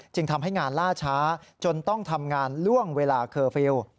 ทำให้งานล่าช้าจนต้องทำงานล่วงเวลาเคอร์ฟิลล์